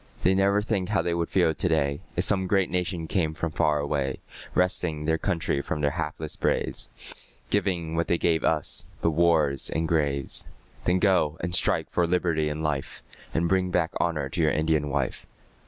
They never think how they would feel to day, If some great nation came from far away, Wresting their country from their hapless braves, Giving what they gave us but wars and graves. Then go and strike for liberty and life, And bring back honour to your Indian wife.